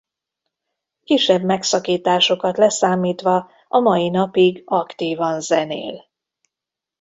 Kisebb megszakításokat leszámítva a mai napig aktívan zenél.